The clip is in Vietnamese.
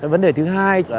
vấn đề thứ hai